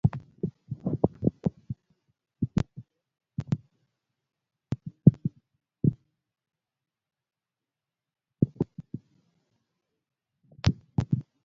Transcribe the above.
Onyalo yudo weche machuok e wi gima nene owach ma ji oyiere e chokruok